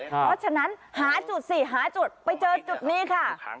เพราะฉะนั้นหาจุดสิหาจุดไปเจอจุดนี้ค่ะ